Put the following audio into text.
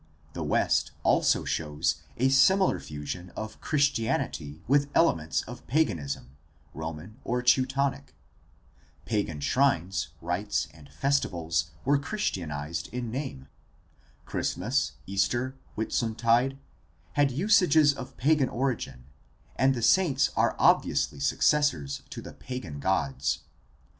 The West also shows a similar fusion of Christianity with elements of paganism, Roman or Teutonic. Pagan shrines, rites, and festivals were Christianized in name. Christmas, Easter, Whitsuntide had usages of pagan origin, and the saints are obviously suc cessors to the pagan gods.